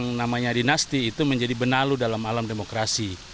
yang namanya dinasti itu menjadi benalu dalam alam demokrasi